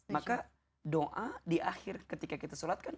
maka doa di akhir ketika kita sholat kan